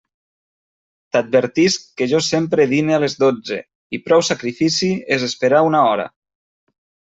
T'advertisc que jo sempre dine a les dotze, i prou sacrifici és esperar una hora.